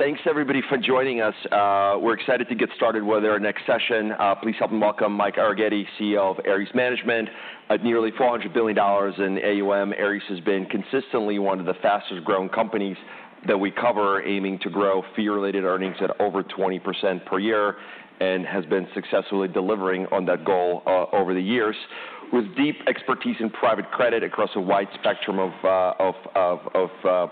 Thanks, everybody, for joining us. We're excited to get started with our next session. Please help me welcome Mike Arougheti, CEO of Ares Management. At nearly $400 billion in AUM, Ares has been consistently one of the fastest-growing companies that we cover, aiming to grow fee-related earnings at over 20% per year, and has been successfully delivering on that goal over the years. With deep expertise in private credit across a wide spectrum of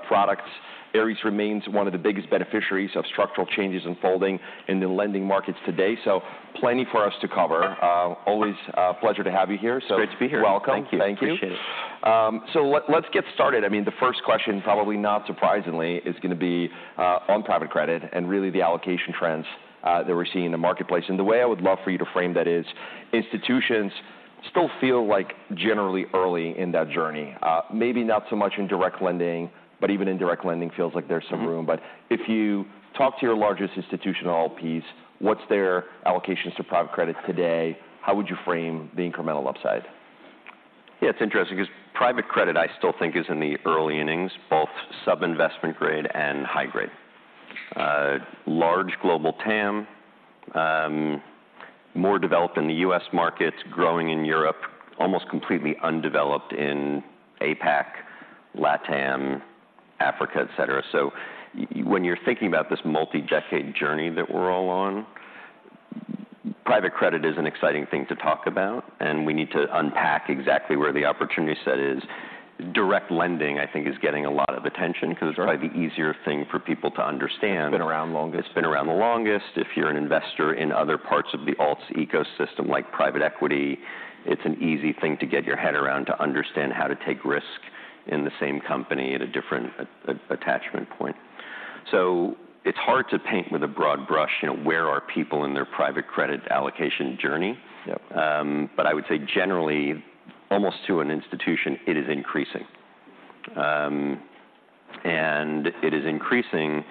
products, Ares remains one of the biggest beneficiaries of structural changes unfolding in the lending markets today. So plenty for us to cover. Always a pleasure to have you here. Great to be here. So welcome. Thank you. Thank you. Appreciate it. So let's get started. I mean, the first question, probably not surprisingly, is gonna be on private credit and really the allocation trends that we're seeing in the marketplace. And the way I would love for you to frame that is, institutions still feel like generally early in that journey, maybe not so much in direct lending, but even in direct lending feels like there's some room. Mm-hmm. If you talk to your largest institutional LPs, what's their allocations to private credit today? How would you frame the incremental upside? Yeah, it's interesting 'cause private credit, I still think, is in the early innings, both sub-investment grade and high grade. Large global TAM, more developed in the U.S. markets, growing in Europe, almost completely undeveloped in APAC, LATAM, Africa, et cetera. So when you're thinking about this multi-decade journey that we're all on, private credit is an exciting thing to talk about, and we need to unpack exactly where the opportunity set is. Direct lending, I think, is getting a lot of attention- Sure... 'cause it's probably the easier thing for people to understand. Been around longest. It's been around the longest. If you're an investor in other parts of the alts ecosystem, like private equity, it's an easy thing to get your head around, to understand how to take risk in the same company at a different attachment point. So it's hard to paint with a broad brush, you know, where are people in their private credit allocation journey? Yep. But I would say generally, almost to an institution, it is increasing. And it is increasing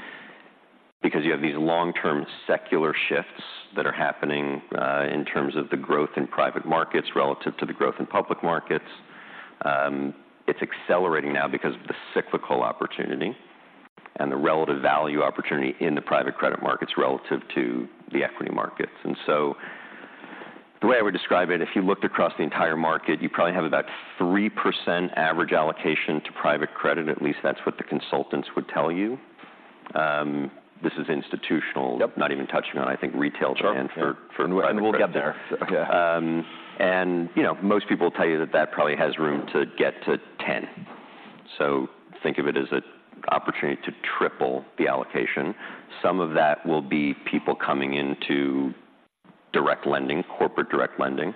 because you have these long-term secular shifts that are happening, in terms of the growth in private markets relative to the growth in public markets. It's accelerating now because of the cyclical opportunity and the relative value opportunity in the private credit markets relative to the equity markets. And so the way I would describe it, if you looked across the entire market, you probably have about 3% average allocation to private credit. At least that's what the consultants would tell you. This is institutional. Yep. Not even touching on, I think, retail demand- Sure for private credit. We'll get there. and, you know, most people will tell you that that probably has room to get to 10. So think of it as an opportunity to triple the allocation. Some of that will be people coming into direct lending, corporate direct lending,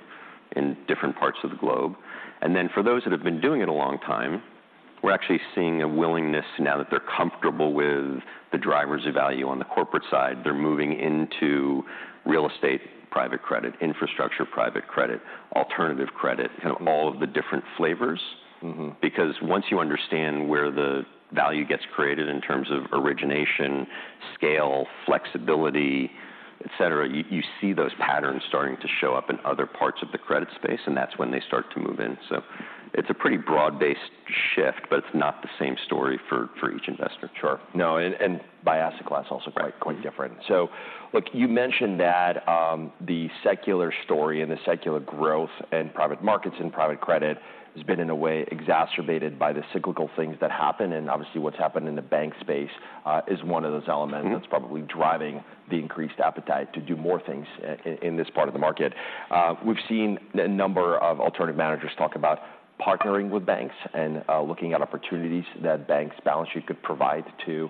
in different parts of the globe. And then for those that have been doing it a long time, we're actually seeing a willingness, now that they're comfortable with the drivers of value on the corporate side, they're moving into real estate, private credit, infrastructure, private credit, alternative credit- Mm-hmm... you know, all of the different flavors. Mm-hmm. Because once you understand where the value gets created in terms of origination, scale, flexibility, et cetera, you, you see those patterns starting to show up in other parts of the credit space, and that's when they start to move in. So it's a pretty broad-based shift, but it's not the same story for, for each investor. Sure. No, and by asset class, also- Right... quite different. So look, you mentioned that, the secular story and the secular growth in private markets and private credit has been, in a way, exacerbated by the cyclical things that happen. And obviously, what's happened in the bank space, is one of those elements- Mm-hmm... that's probably driving the increased appetite to do more things in this part of the market. We've seen a number of alternative managers talk about partnering with banks and looking at opportunities that banks' balance sheet could provide to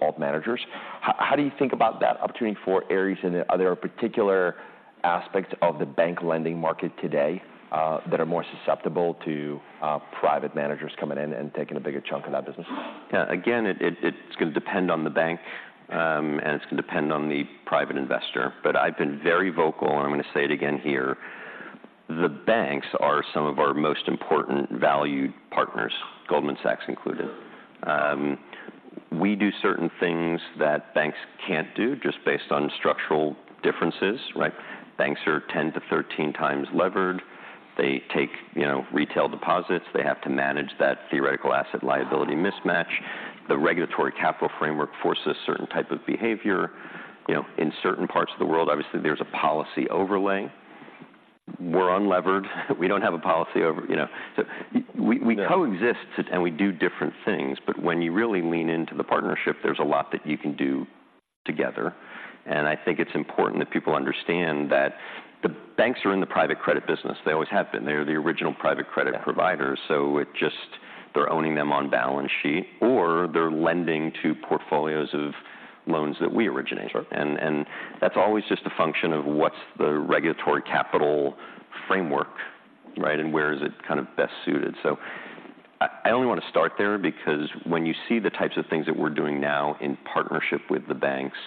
alt managers. How do you think about that opportunity for Ares, and are there particular aspects of the bank lending market today that are more susceptible to private managers coming in and taking a bigger chunk of that business? Yeah, again, it's gonna depend on the bank, and it's gonna depend on the private investor. But I've been very vocal, and I'm gonna say it again here: the banks are some of our most important valued partners, Goldman Sachs included. We do certain things that banks can't do just based on structural differences, right? Banks are 10-13 times levered. They take, you know, retail deposits. They have to manage that theoretical asset liability mismatch. The regulatory capital framework forces a certain type of behavior. You know, in certain parts of the world, obviously, there's a policy overlay. We're unlevered. We don't have a policy over... You know, so we, we- Yeah... coexist, and we do different things, but when you really lean into the partnership, there's a lot that you can do together, and I think it's important that people understand that the banks are in the private credit business. They always have been. They're the original private credit providers. Yeah. They're owning them on balance sheet, or they're lending to portfolios of loans that we originate. Sure. And that's always just a function of what's the regulatory capital framework, right? And where is it kind of best suited. So I only want to start there because when you see the types of things that we're doing now in partnership with the banks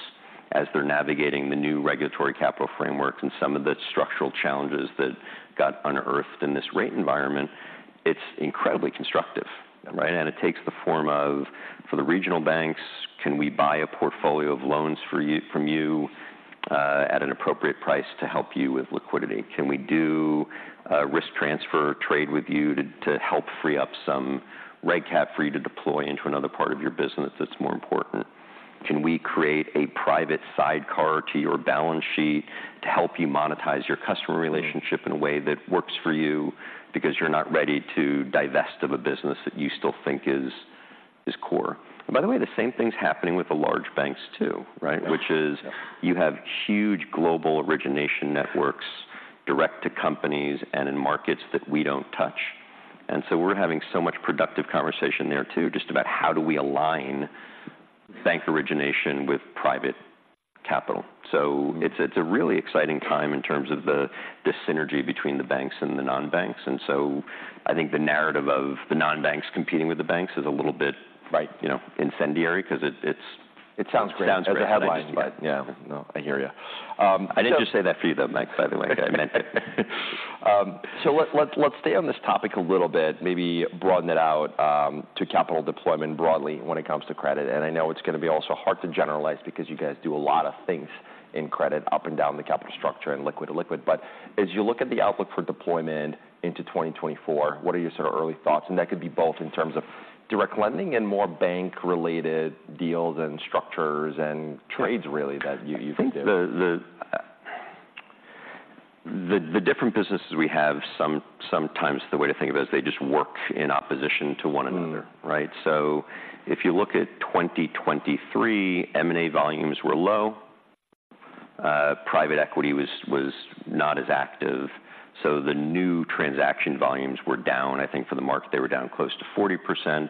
as they're navigating the new regulatory capital frameworks and some of the structural challenges that got unearthed in this rate environment, it's incredibly constructive, right? And it takes the form of, for the regional banks: Can we buy a portfolio of loans for you, from you at an appropriate price to help you with liquidity? Can we do a risk transfer trade with you to help free up some reg cap for you to deploy into another part of your business that's more important? Can we create a private sidecar to your balance sheet to help you monetize your customer relationship in a way that works for you because you're not ready to divest of a business that you still think is, is core? And by the way, the same thing's happening with the large banks, too, right? Which is you have huge global origination networks direct to companies and in markets that we don't touch. And so we're having so much productive conversation there, too, just about how do we align bank origination with private capital. So it's, it's a really exciting time in terms of the, the synergy between the banks and the non-banks, and so I think the narrative of the non-banks competing with the banks is a little bit- Right... you know, incendiary 'cause it's- It sounds great- It sounds great. As a headline, but yeah. No, I hear you. So- I didn't just say that for you, though, Mike, by the way. So let's stay on this topic a little bit, maybe broaden it out, to capital deployment broadly when it comes to credit. And I know it's gonna be also hard to generalize because you guys do a lot of things in credit, up and down the capital structure, and liquid to liquid. But as you look at the outlook for deployment into 2024, what are your sort of early thoughts? And that could be both in terms of direct lending and more bank-related deals and structures and trades, really, that you can do. I think the different businesses we have, sometimes the way to think of it is they just work in opposition to one another. Mm-hmm. Right? So if you look at 2023, M&A volumes were low. Private equity was not as active, so the new transaction volumes were down. I think for the market, they were down close to 40%.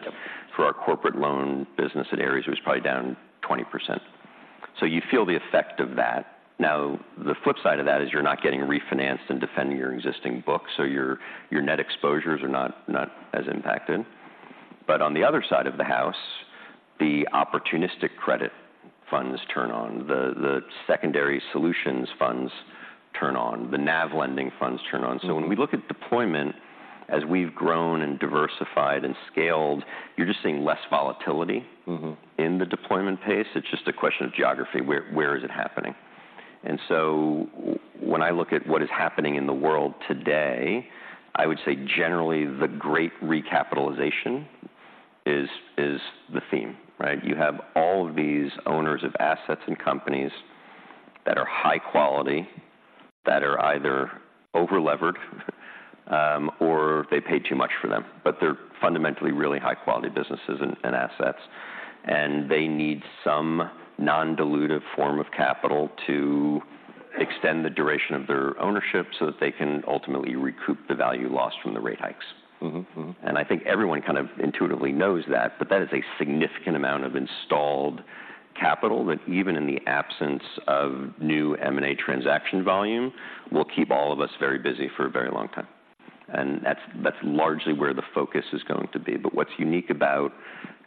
Yep. For our corporate loan business at Ares, it was probably down 20%. So you feel the effect of that. Now, the flip side of that is you're not getting refinanced and defending your existing book, so your net exposures are not as impacted. But on the other side of the house, the opportunistic credit funds turn on, the secondary solutions funds turn on, the NAV lending funds turn on. Mm-hmm. So when we look at deployment, as we've grown and diversified and scaled, you're just seeing less volatility- Mm-hmm... in the deployment pace. It's just a question of geography. Where, where is it happening? And so when I look at what is happening in the world today, I would say generally, the great recapitalization is, is the theme, right? You have all of these owners of assets and companies that are high quality, that are either over-levered, or they paid too much for them, but they're fundamentally really high-quality businesses and, and assets. And they need some non-dilutive form of capital to extend the duration of their ownership, so that they can ultimately recoup the value lost from the rate hikes. Mm-hmm. Mm-hmm. I think everyone kind of intuitively knows that, but that is a significant amount of installed capital that, even in the absence of new M&A transaction volume, will keep all of us very busy for a very long time. And that's largely where the focus is going to be. But what's unique about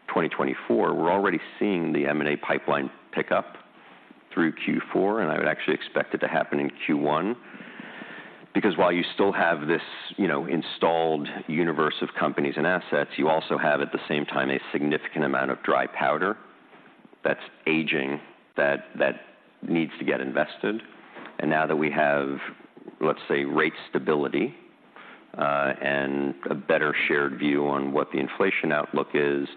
2024, we're already seeing the M&A pipeline pick up through Q4, and I would actually expect it to happen in Q1. Because while you still have this, you know, installed universe of companies and assets, you also have, at the same time, a significant amount of dry powder that's aging, that needs to get invested. And now that we have, let's say, rate stability, and a better shared view on what the inflation outlook is,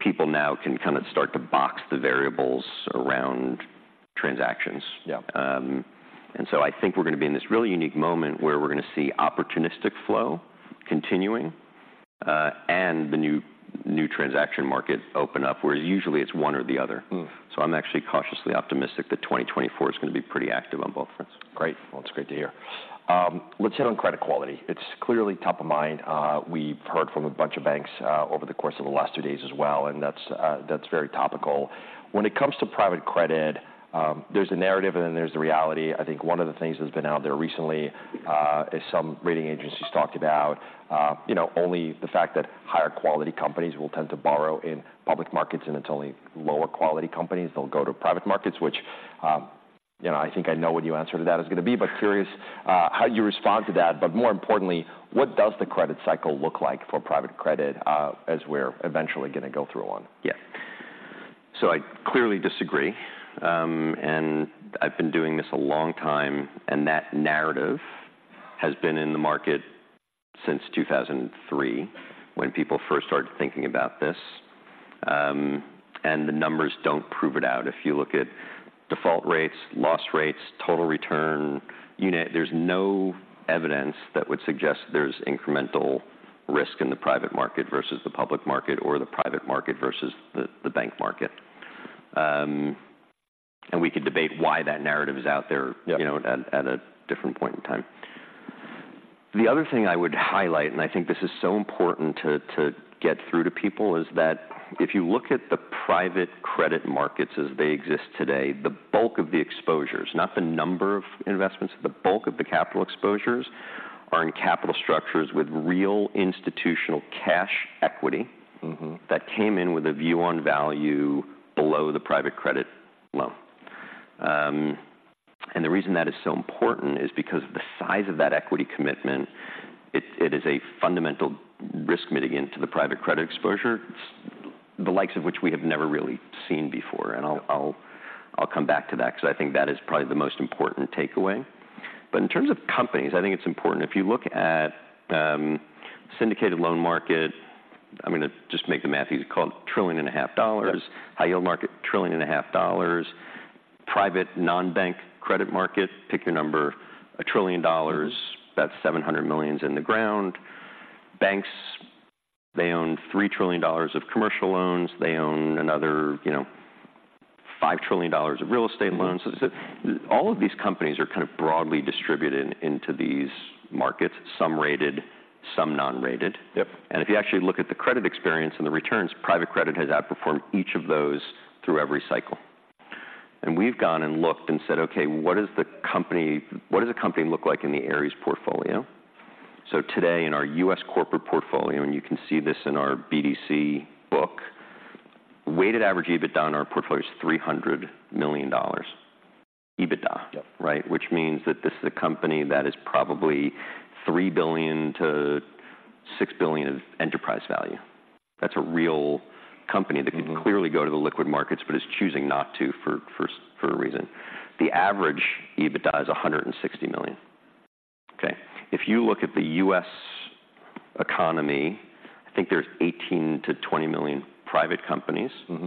people now can kind of start to box the variables around transactions. Yeah. And so I think we're gonna be in this really unique moment where we're gonna see opportunistic flow continuing, and the new, new transaction market open up, where usually it's one or the other. Mm. I'm actually cautiously optimistic that 2024 is gonna be pretty active on both fronts. Great. Well, it's great to hear. Let's hit on credit quality. It's clearly top of mind. We've heard from a bunch of banks over the course of the last two days as well, and that's very topical. When it comes to private credit, there's the narrative, and then there's the reality. I think one of the things that's been out there recently is some rating agencies talked about, you know, only the fact that higher quality companies will tend to borrow in public markets, and it's only lower quality companies that'll go to private markets, which, you know, I think I know what your answer to that is gonna be, but curious how you respond to that. But more importantly, what does the credit cycle look like for private credit as we're eventually gonna go through one? Yeah. So I clearly disagree, and I've been doing this a long time, and that narrative has been in the market since 2003, when people first started thinking about this. And the numbers don't prove it out. If you look at default rates, loss rates, total return, you know, there's no evidence that would suggest there's incremental risk in the private market versus the public market or the private market versus the bank market. And we could debate why that narrative is out there- Yep... you know, at a different point in time. The other thing I would highlight, and I think this is so important to get through to people, is that if you look at the private credit markets as they exist today, the bulk of the exposures, not the number of investments, the bulk of the capital exposures are in capital structures with real institutional cash equity- Mm-hmm... that came in with a view on value below the private credit loan. And the reason that is so important is because the size of that equity commitment, it is a fundamental risk mitigant to the private credit exposure. It's the likes of which we have never really seen before, and I'll come back to that because I think that is probably the most important takeaway. But in terms of companies, I think it's important. If you look at syndicated loan market, I'm gonna just make the math easy, call it $1.5 trillion. Right. High-yield market, $1.5 trillion. Private non-bank credit market, pick your number, $1 trillion. About $700 million is in the ground. Banks, they own $3 trillion of commercial loans. They own another, you know, $5 trillion of real estate loans. Mm-hmm. All of these companies are kind of broadly distributed into these markets, some rated, some non-rated. Yep. If you actually look at the credit experience and the returns, private credit has outperformed each of those through every cycle. We've gone and looked and said: Okay, what is the company—what does a company look like in the Ares portfolio? So today, in our U.S. corporate portfolio, and you can see this in our BDC book, weighted average EBITDA in our portfolio is $300 million. EBITDA. Yep. Right? Which means that this is a company that is probably $3 billion-$6 billion of enterprise value. That's a real company- Mm-hmm... that could clearly go to the liquid markets, but is choosing not to for a reason. The average EBITDA is $160 million. Okay, if you look at the U.S. economy, I think there's 18-20 million private companies. Mm-hmm.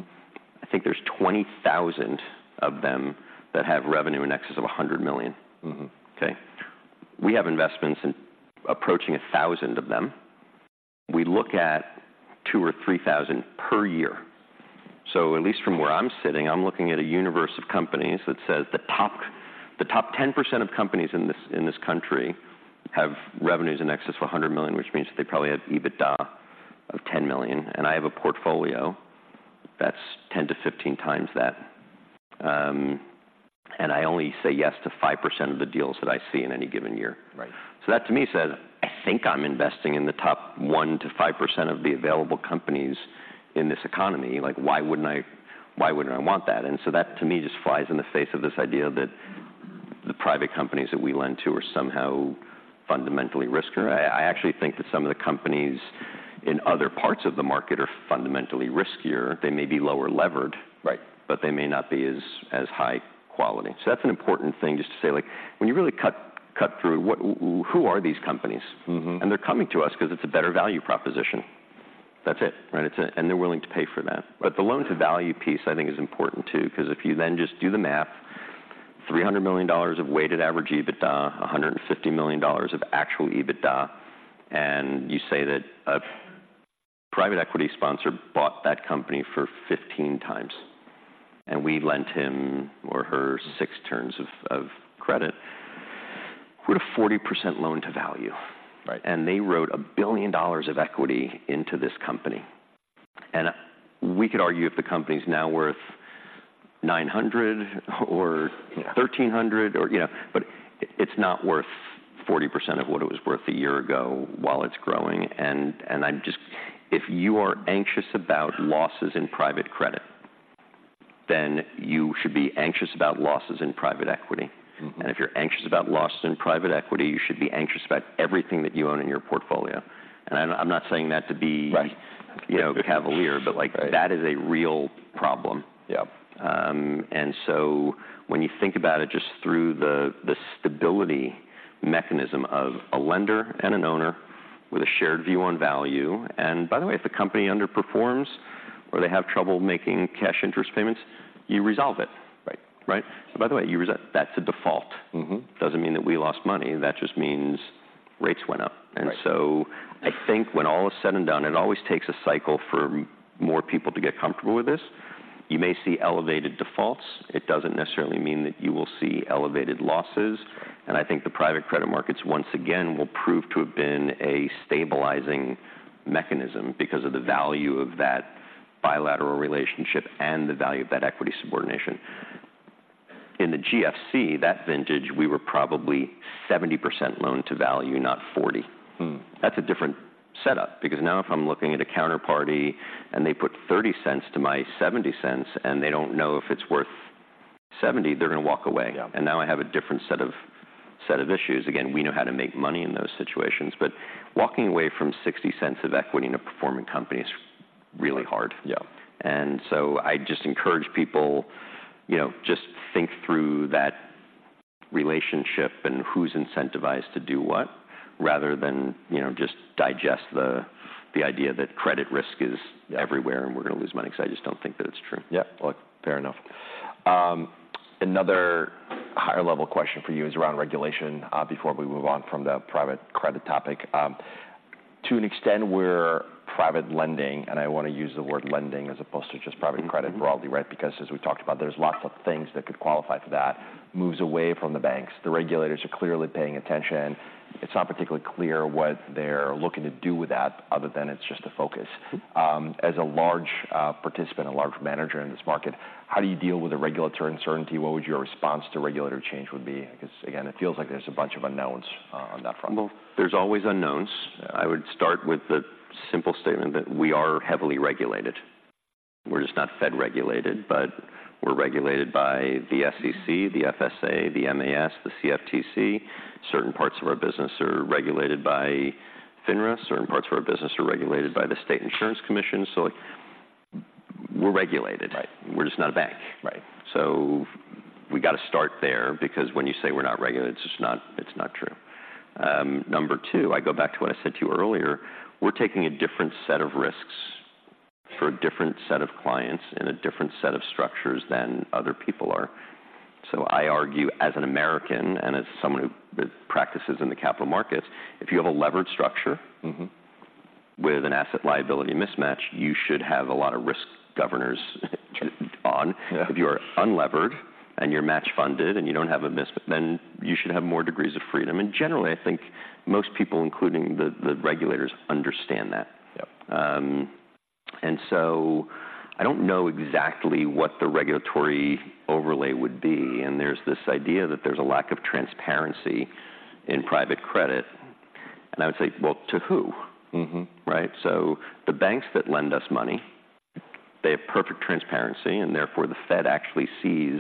I think there's 20,000 of them that have revenue in excess of $100 million. Mm-hmm. Okay. We have investments in approaching 1,000 of them. We look at 2,000 or 3,000 per year. So at least from where I'm sitting, I'm looking at a universe of companies that says the top, the top 10% of companies in this, in this country have revenues in excess of $100 million, which means that they probably have EBITDA of $10 million, and I have a portfolio that's 10-15 times that. And I only say yes to 5% of the deals that I see in any given year. Right. So that to me says, I think I'm investing in the top 1%-5% of the available companies in this economy. Like, why wouldn't I-- why wouldn't I want that? And so that, to me, just flies in the face of this idea that the private companies that we lend to are somehow fundamentally riskier. I, I actually think that some of the companies in other parts of the market are fundamentally riskier. They may be lower levered- Right... but they may not be as high quality. So that's an important thing, just to say, like, when you really cut through, what, who are these companies? Mm-hmm. They're coming to us because it's a better value proposition. That's it, right? It's and they're willing to pay for that. Yeah. But the loan-to-value piece, I think, is important, too, because if you then just do the math, $300 million of weighted average EBITDA, $150 million of actual EBITDA, and you say that a private equity sponsor bought that company for 15 times, and we lent him or her six turns of credit with a 40% loan to value. Right. They wrote $1 billion of equity into this company. We could argue if the company's now worth 900 or- Yeah... 1,300 or, you know, but it's not worth 40% of what it was worth a year ago while it's growing. And, and I'm just... If you are anxious about losses in private credit, then you should be anxious about losses in private equity. Mm-hmm. If you're anxious about losses in private equity, you should be anxious about everything that you own in your portfolio. And I'm, I'm not saying that to be- Right... you know, cavalier, but, like- Right... that is a real problem. Yep. And so when you think about it just through the stability mechanism of a lender and an owner with a shared view on value... And by the way, if the company underperforms or they have trouble making cash interest payments, you resolve it. Right. Right? So by the way, that's a default. Mm-hmm. Doesn't mean that we lost money. That just means rates went up. Right. And so I think when all is said and done, it always takes a cycle for more people to get comfortable with this. You may see elevated defaults. It doesn't necessarily mean that you will see elevated losses, and I think the private credit markets, once again, will prove to have been a stabilizing mechanism because of the value of that bilateral relationship and the value of that equity subordination. In the GFC, that vintage, we were probably 70% loan to value, not 40. Hmm. That's a different setup, because now if I'm looking at a counterparty and they put $0.30 to my $0.70, and they don't know if it's worth $0.70, they're gonna walk away. Yeah. Now I have a different set of issues. Again, we know how to make money in those situations, but walking away from $0.60 of equity in a performing company is really hard. Yeah. And so I just encourage people, you know, just think through that relationship and who's incentivized to do what, rather than, you know, just digest the idea that credit risk is everywhere, and we're gonna lose money, 'cause I just don't think that it's true. Yep. Well, fair enough. Another higher level question for you is around regulation, before we move on from the private credit topic. To an extent, where private lending, and I want to use the word lending, as opposed to just private credit- Mm-hmm... broadly, right? Because as we talked about, there's lots of things that could qualify for that, moves away from the banks. The regulators are clearly paying attention. It's not particularly clear what they're looking to do with that, other than it's just a focus. As a large participant, a large manager in this market, how do you deal with the regulatory uncertainty? What would your response to regulatory change would be? Because, again, it feels like there's a bunch of unknowns on that front. Well, there's always unknowns. I would start with the simple statement that we are heavily regulated. We're just not Fed-regulated, but we're regulated by the SEC, the FSA, the MAS, the CFTC. Certain parts of our business are regulated by FINRA. Certain parts of our business are regulated by the State Insurance Commission. So, like, we're regulated. Right. We're just not a bank. Right. So we gotta start there because when you say we're not regulated, it's just not. It's not true. Number 2, I go back to what I said to you earlier, we're taking a different set of risks for a different set of clients in a different set of structures than other people are. So I argue, as an American, and as someone who, that practices in the capital markets, if you have a levered structure- Mm-hmm... with an asset liability mismatch, you should have a lot of risk governors on. Yeah. If you are unlevered, and you're match funded, and you don't have a mismatch, then you should have more degrees of freedom. Generally, I think most people, including the regulators, understand that. Yep. And so I don't know exactly what the regulatory overlay would be, and there's this idea that there's a lack of transparency in private credit, and I would say, "Well, to who? Mm-hmm. Right? So the banks that lend us money, they have perfect transparency, and therefore, the Fed actually sees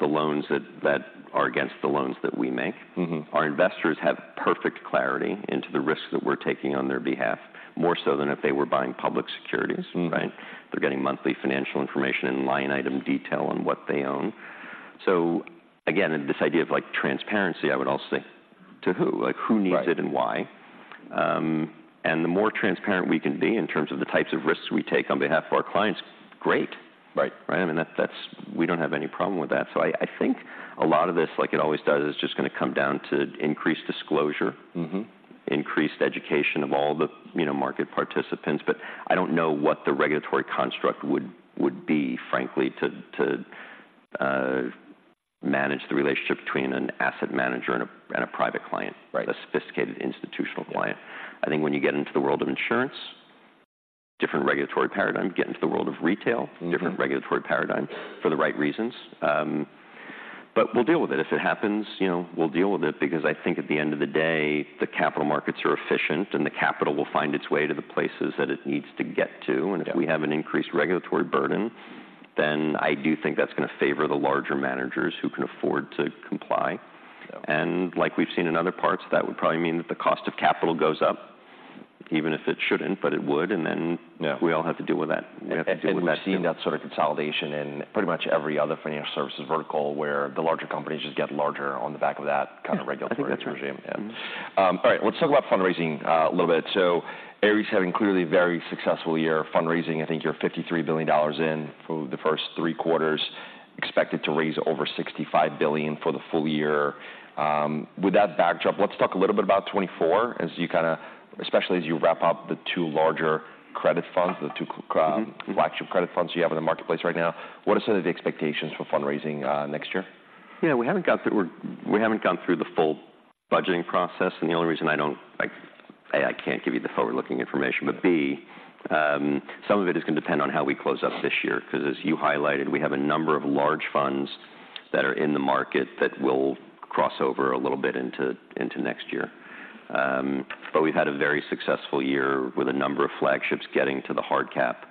the loans that are against the loans that we make. Mm-hmm. Our investors have perfect clarity into the risks that we're taking on their behalf, more so than if they were buying public securities. Mm-hmm. Right? They're getting monthly financial information in line item detail on what they own. So again, this idea of, like, transparency, I would also say, to who? Right. Like, who needs it and why? And the more transparent we can be in terms of the types of risks we take on behalf of our clients, great! Right. Right, I mean, that's. We don't have any problem with that. So, I think a lot of this, like it always does, is just gonna come down to increased disclosure- Mm-hmm... increased education of all the, you know, market participants. But I don't know what the regulatory construct would be, frankly, to manage the relationship between an asset manager and a private client- Right... a sophisticated institutional client. I think when you get into the world of insurance, different regulatory paradigm. Get into the world of retail- Mm-hmm... different regulatory paradigm, for the right reasons. But we'll deal with it. If it happens, you know, we'll deal with it because I think at the end of the day, the capital markets are efficient, and the capital will find its way to the places that it needs to get to. Yep. If we have an increased regulatory burden, then I do think that's gonna favor the larger managers who can afford to comply. Yep. Like we've seen in other parts, that would probably mean that the cost of capital goes up, even if it shouldn't, but it would, and then- Yeah... we all have to deal with that. We have to deal with that too. We're seeing that sort of consolidation in pretty much every other financial services vertical, where the larger companies just get larger on the back of that. Yeah... kind of regulatory regime. I think that's right. Yeah. All right, let's talk about fundraising, a little bit. So Ares is having clearly a very successful year fundraising. I think you're $53 billion in for the first three quarters, expected to raise over $65 billion for the full year. With that backdrop, let's talk a little bit about 2024, as you kinda—especially as you wrap up the two larger credit funds, the two- Mm-hmm, mm-hmm... flagship credit funds you have in the marketplace right now. What are some of the expectations for fundraising next year? Yeah, we haven't gone through the full budgeting process, and the only reason I don't, like, A, I can't give you the forward-looking information, but, B, some of it is gonna depend on how we close up this year, 'cause as you highlighted, we have a number of large funds that are in the market that will cross over a little bit into next year. But we've had a very successful year with a number of flagships getting to the hard cap.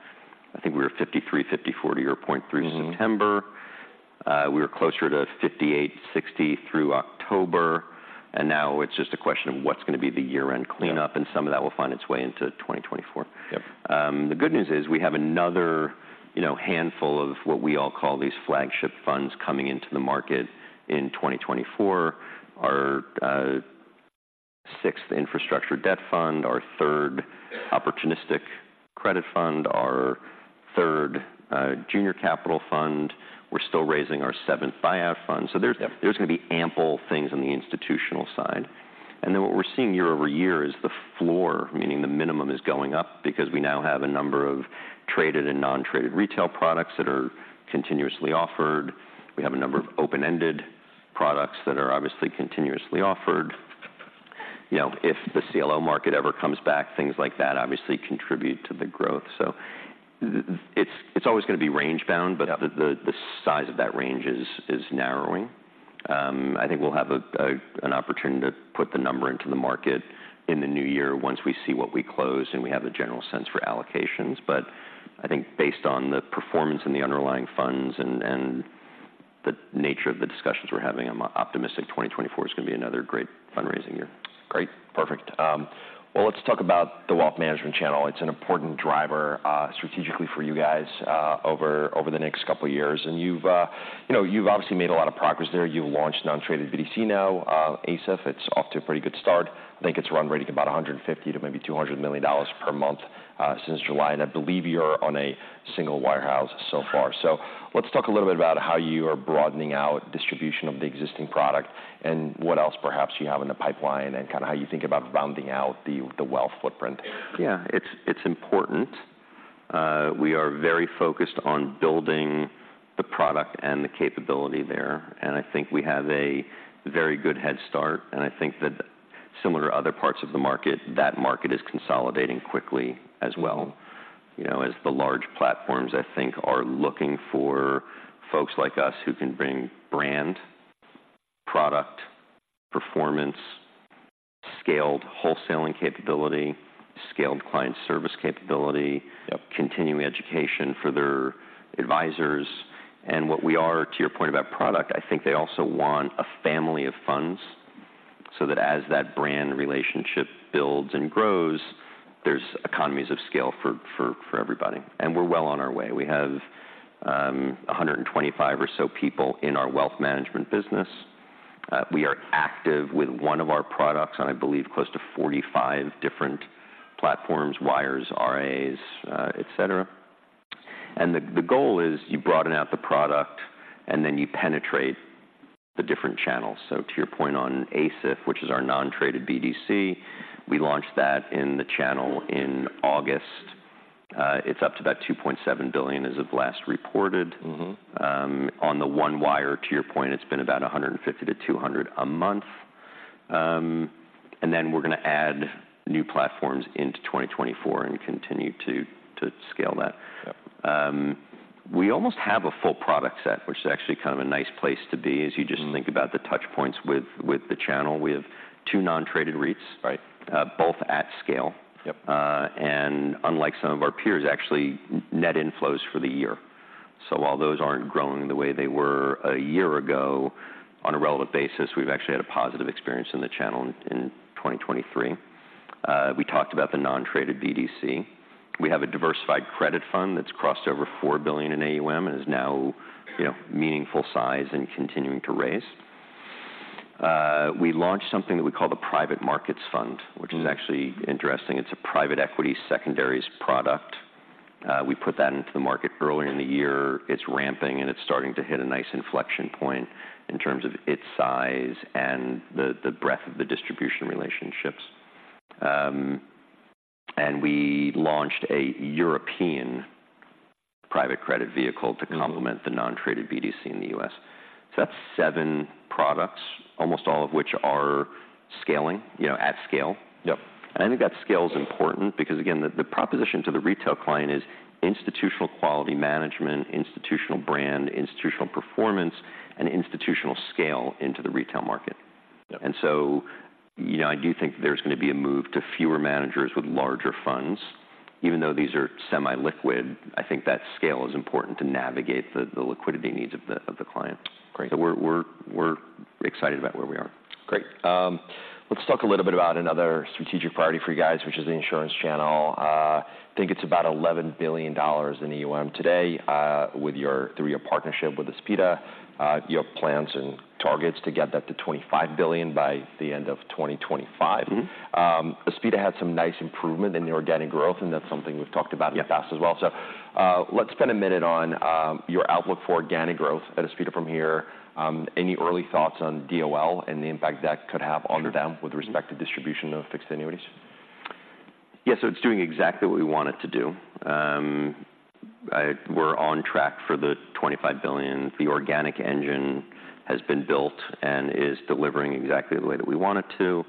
I think we were 53, 54, to your point, through September. Mm-hmm. We were closer to 58-60 through October, and now it's just a question of what's gonna be the year-end cleanup- Yeah... and some of that will find its way into 2024. Yep. The good news is, we have another, you know, handful of what we all call these flagship funds coming into the market in 2024. Our sixth infrastructure debt fund, our third opportunistic credit fund, our third junior capital fund. We're still raising our seventh buyout fund. Yep. So there's gonna be ample things on the institutional side. And then what we're seeing year-over-year is the floor, meaning the minimum, is going up because we now have a number of traded and non-traded retail products that are continuously offered. We have a number of open-ended products that are obviously continuously offered. You know, if the CLO market ever comes back, things like that obviously contribute to the growth. So it's always gonna be range-bound. Yep... but the size of that range is narrowing. I think we'll have an opportunity to put the number into the market in the new year once we see what we close and we have a general sense for allocations. But I think based on the performance and the underlying funds and the nature of the discussions we're having, I'm optimistic 2024 is gonna be another great fundraising year. Great, perfect. Well, let's talk about the wealth management channel. It's an important driver, strategically for you guys, over the next couple of years, and you've, you know, you've obviously made a lot of progress there. You've launched non-traded BDC now, ASIF. It's off to a pretty good start. I think it's run rate about $150 million-$200 million per month, since July, and I believe you're on a single wirehouse so far. So let's talk a little bit about how you are broadening out distribution of the existing product, and what else perhaps you have in the pipeline, and kinda how you think about rounding out the wealth footprint. Yeah, it's important. We are very focused on building the product and the capability there, and I think we have a very good head start. And I think that similar to other parts of the market, that market is consolidating quickly as well, you know, as the large platforms, I think, are looking for folks like us who can bring brand, product, performance, scaled wholesaling capability, scaled client service capability- Yep. continuing education for their advisors. And what we are, to your point about product, I think they also want a family of funds, so that as that brand relationship builds and grows, there's economies of scale for everybody, and we're well on our way. We have 125 or so people in our wealth management business. We are active with one of our products on, I believe, close to 45 different platforms, wires, RAs, et cetera. And the goal is you broaden out the product, and then you penetrate the different channels. So to your point on ASIF, which is our non-traded BDC, we launched that in the channel in August. It's up to about $2.7 billion as of last reported. Mm-hmm. On the one wire, to your point, it's been about 150-200 a month. And then we're gonna add new platforms into 2024 and continue to scale that. Yep. We almost have a full product set, which is actually kind of a nice place to be, as you just- Mm Think about the touch points with the channel. We have two non-traded REITs. Right... both at scale. Yep. And unlike some of our peers, actually net inflows for the year. So while those aren't growing the way they were a year ago, on a relative basis, we've actually had a positive experience in the channel in 2023. We talked about the non-traded BDC. We have a diversified credit fund that's crossed over $4 billion in AUM and is now, you know, meaningful size and continuing to raise. We launched something that we call the Private Markets Fund- Mm which is actually interesting. It's a private equity secondaries product. We put that into the market earlier in the year. It's ramping, and it's starting to hit a nice inflection point in terms of its size and the breadth of the distribution relationships. And we launched a European private credit vehicle- Mm to complement the non-traded BDC in the U.S. So that's seven products, almost all of which are scaling, you know, at scale. Yep. I think that scale is important because, again, the proposition to the retail client is institutional quality management, institutional brand, institutional performance, and institutional scale into the retail market. Yep. So, you know, I do think there's gonna be a move to fewer managers with larger funds. Even though these are semi-liquid, I think that scale is important to navigate the liquidity needs of the client. Great. So we're excited about where we are. Great. Let's talk a little bit about another strategic priority for you guys, which is the insurance channel. I think it's about $11 billion in AUM today, through your partnership with Aspida. You have plans and targets to get that to $25 billion by the end of 2025. Mm-hmm. Aspida had some nice improvement in your organic growth, and that's something we've talked about- Yep in the past as well. So, let's spend a minute on your outlook for organic growth at Aspida from here. Any early thoughts on DOL and the impact that could have on them- Mm - with respect to distribution of fixed annuities? Yeah, so it's doing exactly what we want it to do. We're on track for the $25 billion. The organic engine has been built and is delivering exactly the way that we want it to.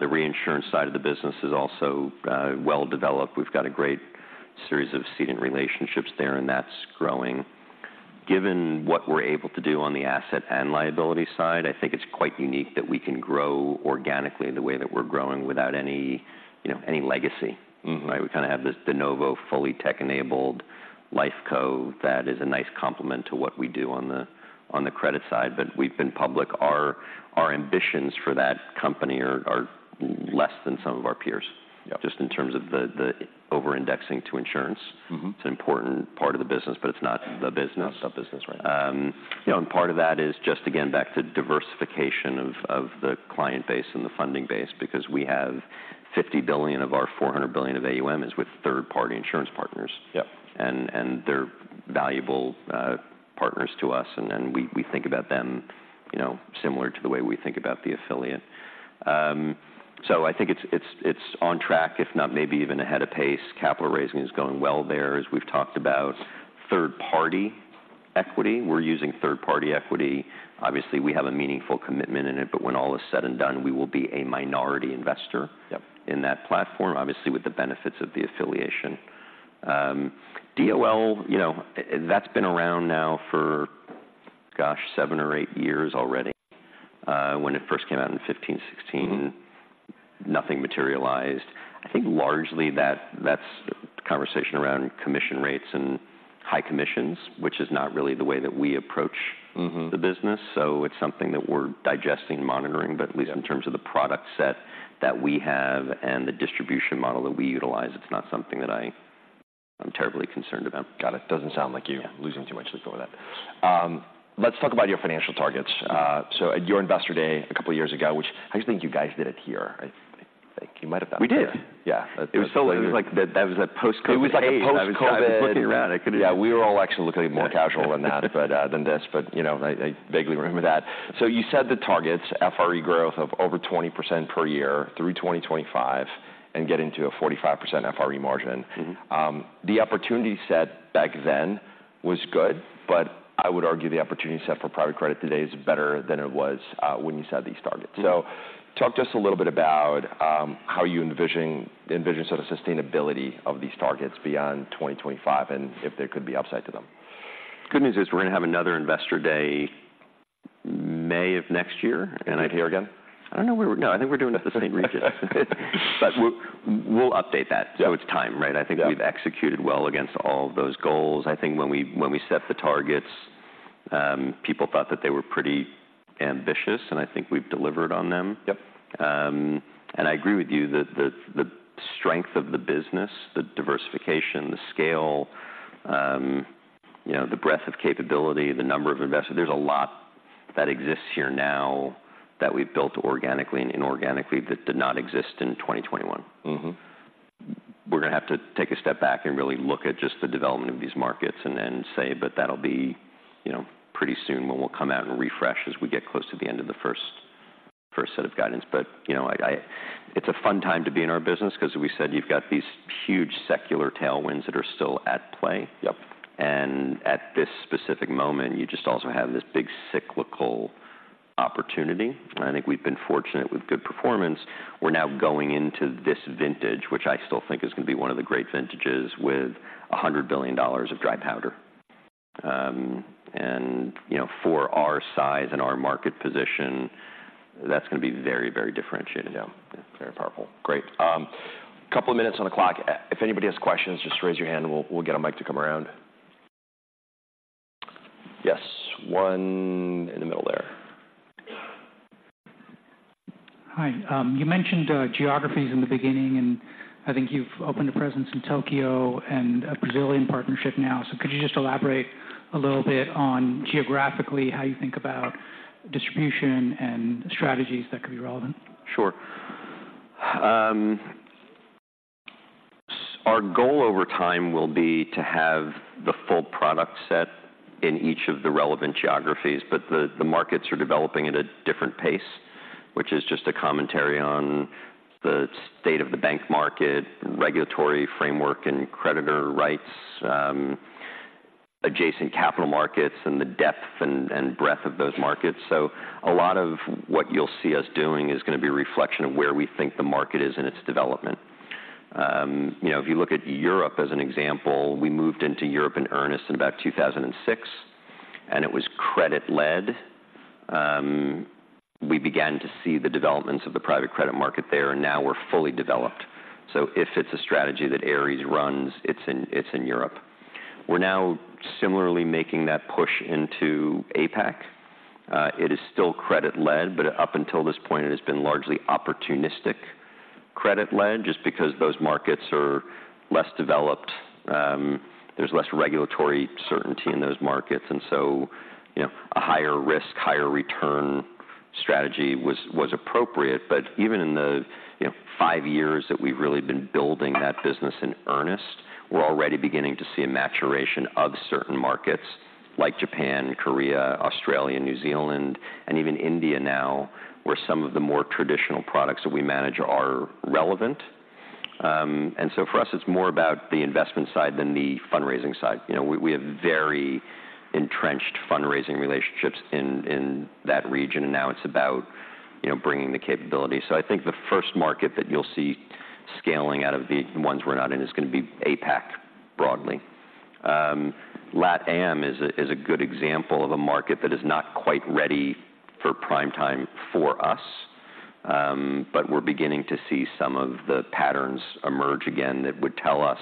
The reinsurance side of the business is also well developed. We've got a great series of seeding relationships there, and that's growing. Given what we're able to do on the asset and liability side, I think it's quite unique that we can grow organically the way that we're growing without any, you know, any legacy. Mm-hmm. Right? We kind of have this de novo, fully tech-enabled life co that is a nice complement to what we do on the, on the credit side, but we've been public. Our, our ambitions for that company are, are less than some of our peers- Yep... just in terms of the over-indexing to insurance. Mm-hmm. It's an important part of the business, but it's not the business. It's not the business, right? You know, and part of that is just, again, back to diversification of the client base and the funding base, because we have $50 billion of our $400 billion of AUM is with third-party insurance partners. Yep. And they're valuable partners to us, and then we think about them, you know, similar to the way we think about the affiliate. So I think it's on track, if not maybe even ahead of pace. Capital raising is going well there, as we've talked about. Third-party equity, we're using third-party equity. Obviously, we have a meaningful commitment in it, but when all is said and done, we will be a minority investor- Yep... in that platform, obviously, with the benefits of the affiliation. DOL, you know, that's been around now for, gosh, seven or eight years already. When it first came out in 2015, 2016, nothing materialized. I think largely that's conversation around commission rates and high commissions, which is not really the way that we approach- Mm-hmm... the business, so it's something that we're digesting and monitoring. Yep. But at least in terms of the product set that we have and the distribution model that we utilize, it's not something that I'm terribly concerned about. Got it. Doesn't sound like you- Yeah losing too much sleep over that. Let's talk about your financial targets. So at your Investor Day a couple of years ago, which I think you guys did it here. I think you might have done it here. We did! Yeah. It was so. It was like that was a post-COVID- It was like a post-COVID- I was looking around. I couldn't- Yeah, we were all actually looking more casual than that, but than this. But, you know, I, I vaguely remember that. So you said the targets, FRE growth of over 20% per year through 2025 and getting to a 45% FRE margin. Mm-hmm. The opportunity set back then was good, but I would argue the opportunity set for private credit today is better than it was, when you set these targets. Mm. Talk to us a little bit about how you envision sort of sustainability of these targets beyond 2025, and if there could be upside to them.... Good news is we're gonna have another investor day May of next year, and- Right here again? No, I think we're doing it at the same region. But we'll update that. Yeah. So it's time, right? Yeah. I think we've executed well against all of those goals. I think when we set the targets, people thought that they were pretty ambitious, and I think we've delivered on them. Yep. I agree with you that the strength of the business, the diversification, the scale, you know, the breadth of capability, the number of investors, there's a lot that exists here now that we've built organically and inorganically, that did not exist in 2021. Mm-hmm. We're gonna have to take a step back and really look at just the development of these markets and then say, but that'll be, you know, pretty soon when we'll come out and refresh as we get close to the end of the first set of guidance. But, you know, I, it's a fun time to be in our business because we said you've got these huge secular tailwinds that are still at play. Yep. At this specific moment, you just also have this big cyclical opportunity, and I think we've been fortunate with good performance. We're now going into this vintage, which I still think is going to be one of the great vintages with $100 billion of dry powder. And, you know, for our size and our market position, that's gonna be very, very differentiated. Yeah, very powerful. Great. Couple of minutes on the clock. If anybody has questions, just raise your hand and we'll get a mic to come around. Yes, one in the middle there. Hi. You mentioned geographies in the beginning, and I think you've opened a presence in Tokyo and a Brazilian partnership now. So could you just elaborate a little bit on geographically, how you think about distribution and strategies that could be relevant? Sure. Our goal over time will be to have the full product set in each of the relevant geographies, but the markets are developing at a different pace, which is just a commentary on the state of the bank market, regulatory framework and creditor rights, adjacent capital markets and the depth and breadth of those markets. So a lot of what you'll see us doing is gonna be a reflection of where we think the market is in its development. You know, if you look at Europe as an example, we moved into Europe in earnest in about 2006, and it was credit led. We began to see the developments of the private credit market there, and now we're fully developed. So if it's a strategy that Ares runs, it's in Europe. We're now similarly making that push into APAC. It is still credit led, but up until this point, it has been largely opportunistic credit led, just because those markets are less developed. There's less regulatory certainty in those markets, and so, you know, a higher risk, higher return strategy was appropriate. But even in the, you know, five years that we've really been building that business in earnest, we're already beginning to see a maturation of certain markets like Japan, Korea, Australia, New Zealand, and even India now, where some of the more traditional products that we manage are relevant. And so for us, it's more about the investment side than the fundraising side. You know, we have very entrenched fundraising relationships in that region, and now it's about, you know, bringing the capability. So I think the first market that you'll see scaling out of the ones we're not in is gonna be APAC, broadly. LatAm is a good example of a market that is not quite ready for prime time for us. But we're beginning to see some of the patterns emerge again that would tell us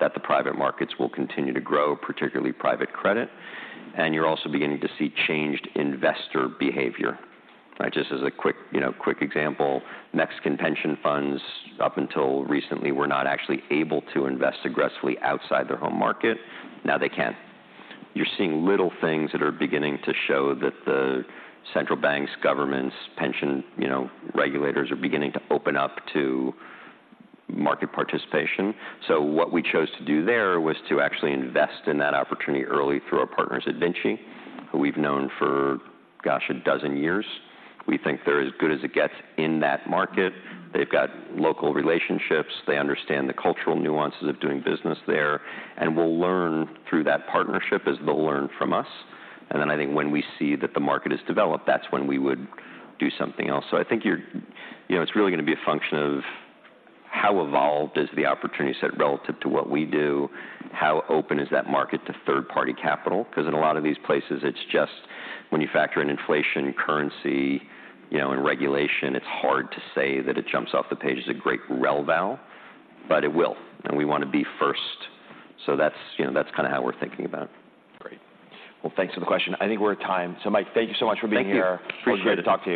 that the private markets will continue to grow, particularly private credit, and you're also beginning to see changed investor behavior, right? Just as a quick, you know, quick example, Mexican pension funds, up until recently, were not actually able to invest aggressively outside their home market. Now they can. You're seeing little things that are beginning to show that the central banks, governments, pension, you know, regulators, are beginning to open up to market participation. So what we chose to do there was to actually invest in that opportunity early through our partners at Vinci, who we've known for, gosh, a dozen years. We think they're as good as it gets in that market. They've got local relationships. They understand the cultural nuances of doing business there, and we'll learn through that partnership as they'll learn from us. And then I think when we see that the market is developed, that's when we would do something else. So I think you're, you know, it's really gonna be a function of how evolved is the opportunity set relative to what we do? How open is that market to third-party capital? Because in a lot of these places, it's just when you factor in inflation, currency, you know, and regulation, it's hard to say that it jumps off the page as a great rel val, but it will, and we want to be first. So that's, you know, that's kinda how we're thinking about it. Great. Well, thanks for the question. I think we're at time. So, Mike, thank you so much for being here. Thank you. Appreciate it. It was great to talk to you.